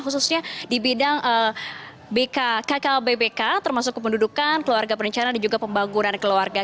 khususnya di bidang bk kkb bk termasuk pendudukan keluarga perencana dan juga pembangunan keluarga